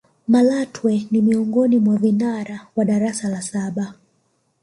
malatwe ni miongoni mwa vinara wa darasa la saba